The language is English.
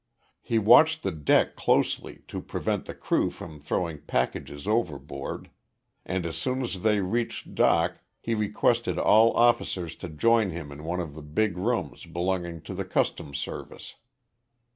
He watched the deck closely to prevent the crew from throwing packages overboard, and as soon as they reached dock he requested all officers to join him in one of the big rooms belonging to the Customs Service.